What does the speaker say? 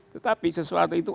tetapi sesuatu itu